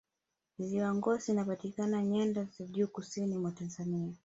ziwa ngosi linapatikana nyanda za juu kusini mwa tanzania